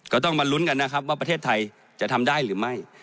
ก็ต้องมาลุ้นกันนะครับว่าประเทศไทยจะทำได้หรือไม่